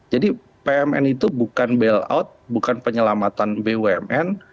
jadi pmn itu bukan bail out bukan penyelamatan bumn